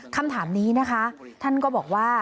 คำถามนี้นะคะท่านก็บอกว่า